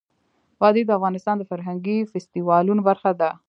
وادي د افغانستان د فرهنګي فستیوالونو برخه ده.